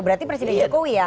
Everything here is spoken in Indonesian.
berarti presiden jokowi ya